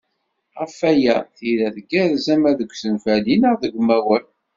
Ɣef waya, tira tgerrez ama deg usenfali neɣ deg umawal.